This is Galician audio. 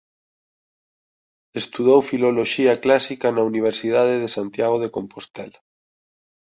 Estudou filoloxía clásica na Universidade de Santiago de Compostela.